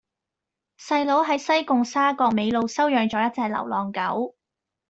細佬喺西貢沙角尾路收養左一隻流浪狗